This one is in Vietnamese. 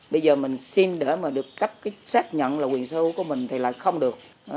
bây giờ mình xin để mà được cấp xác nhận là quyền sơ hữu của mình thì lại không được